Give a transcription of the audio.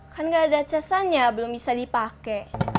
kan gak ada chasernya belum bisa dipake